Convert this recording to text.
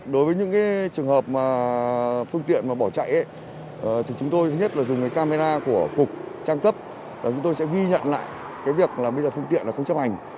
đối với những trường hợp phương tiện bỏ chạy thì chúng tôi nhất dùng camera của cục trang cấp và chúng tôi sẽ ghi nhận lại việc bây giờ phương tiện không chấp hành